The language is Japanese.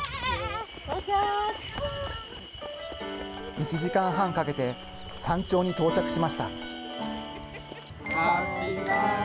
１時間半かけて、山頂に到着しました。